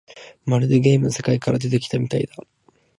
まるでゲームの世界から出てきたみたいだ